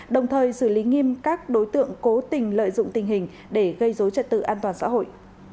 đồng thời xử lý nghiêm các đối tượng cố tình lợi dụng tình hình để gây dối trật tự an toàn xã hội